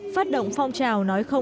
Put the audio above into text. phát động phong trào nói không